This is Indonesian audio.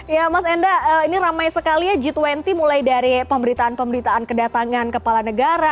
ya mas enda ini ramai sekali ya g dua puluh mulai dari pemberitaan pemberitaan kedatangan kepala negara